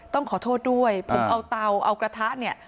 ต้องขอโทษด้วยผมเอาเตาเอากระทะเนี่ย